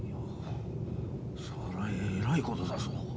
そりゃえらいことだぞ。